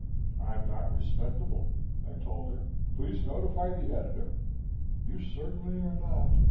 "I'm not respectable," I told her. "Please notify the editor." "You certainly are not!"